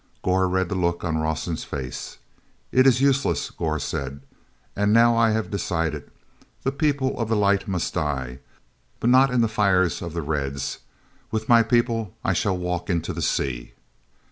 Gor read the look on Rawson's face. "It is useless," Gor said. "And now I have decided. The People of the Light must die—but not in the fires of the Reds. With my people I shall walk into the sea."